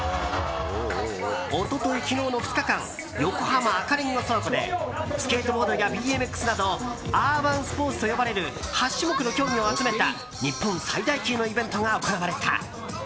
一昨日、昨日の２日間横浜赤レンガ倉庫でスケートボードやＢＭＸなどアーバンスポーツと呼ばれる８種目の競技を集めた日本最大級のイベントが行われた。